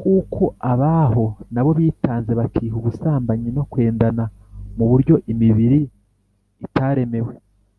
kuko abaho na bo bitanze bakiha ubusambanyi no kwendana mu buryo imibiri itaremewe